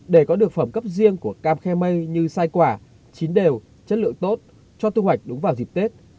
để có được phẩm cấp riêng của cam khe mây như sai quả chín đều chất lượng tốt cho thu hoạch đúng vào dịp tết